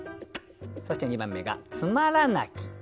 そして２番目が「つまらなき」。